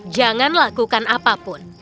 jangan lakukan apapun